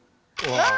うわ。